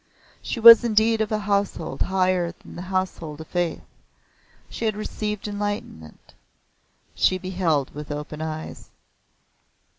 She was indeed of a Household higher than the Household of Faith. She had received enlightenment. She beheld with open eyes.